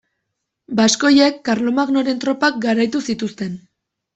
Baskoiek karlomagnoren tropak garaitu zituzten.